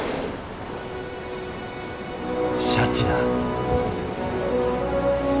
シャチだ。